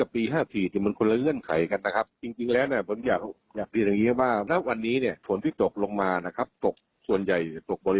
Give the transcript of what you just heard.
ปี๕๔อย่างชิ้นเชิงนะครับ